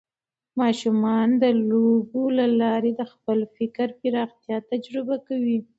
ماشومان د لوبو له لارې د خپل فکر پراختیا تجربه کوي.